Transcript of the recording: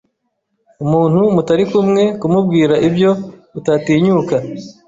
umuntu mutarikumwe kumubwira ibyo utatinyuka